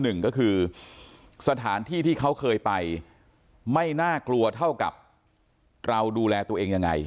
หนึ่งก็คือสถานที่ที่เขาเคยไปไม่น่ากลัวเท่ากับเราดูแลตัวเองยังไง